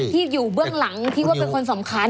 ที่อยู่เบื้องหลังที่ว่าเป็นคนสำคัญ